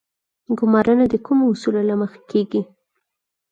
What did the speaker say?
ګمارنه د کومو اصولو له مخې کیږي؟